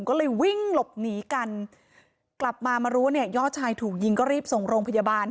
ก็เลยวิ่งหลบหนีกันกลับมามารู้เนี่ยยอดชายถูกยิงก็รีบส่งโรงพยาบาล